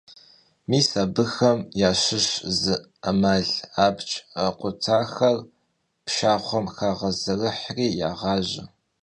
Mis abıxem yaşış zı 'emal: Abc khutaxuexer pşşaxhuem xağezerıhri yağaje.